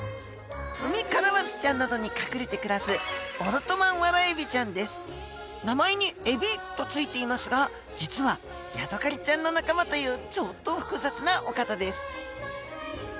ウミカラマツちゃんなどに隠れて暮らす名前に「エビ」と付いていますが実はヤドカリちゃんの仲間というちょっと複雑なお方です。